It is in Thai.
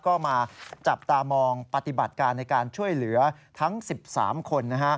ก็มาจับตามองปฏิบัติการในการช่วยเหลือทั้ง๑๓คน